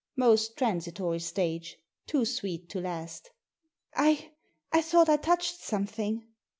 Most transitory stage — too sweet to last !I — I thought I touched something."